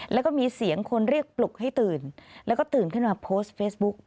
แล้วก็มีเสียงคนเรียกปลุกให้ตื่นแล้วก็ตื่นขึ้นมาโพสต์เฟซบุ๊ก